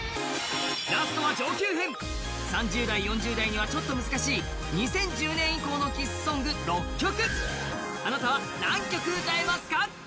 ラストは上級編３０代４０代にはちょっと難しい２０１０年以降のキスソング６曲Ｓｈｅ！